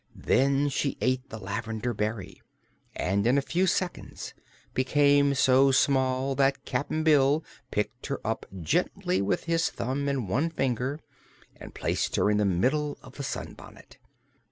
Then she ate the lavender berry and in a few seconds became so small that Cap'n Bill picked her up gently with his thumb and one finger and placed her in the middle of the sunbonnet.